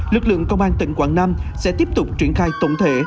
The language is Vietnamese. lực lượng công an tỉnh quảng nam sẽ tiếp tục triển khai tổng thể